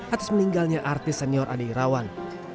atas meninggalnya artis senior ade irawan